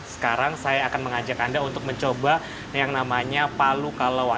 sekarang saya akan mengajak anda untuk mencoba yang namanya palu kalowa